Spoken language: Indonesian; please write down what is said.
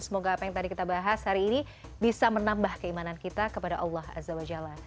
semoga apa yang tadi kita bahas hari ini bisa menambah keimanan kita kepada allah azza wa jalla